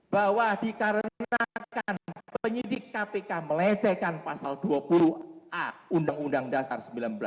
bahwa dikarenakan penyidik kpk melecehkan pasal dua puluh a undang undang dasar seribu sembilan ratus empat puluh lima